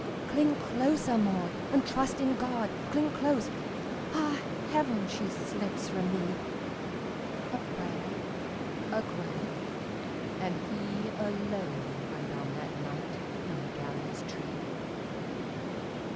"Cling closer, Maud, and trust in God! Cling close! Ah, heaven, she slips from me!" A prayer, a groan, and he alone Rode on that night from the gallows tree.